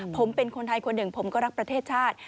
ผมเป็นคนไทยคนหนึ่งผมก็รักประเทศชาติ